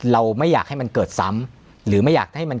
เราไม่อยากให้มันเกิดซ้ำหรือไม่อยากให้มัน